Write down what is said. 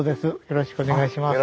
よろしくお願いします。